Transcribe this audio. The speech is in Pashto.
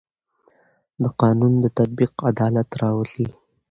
د قانون تطبیق عدالت راولي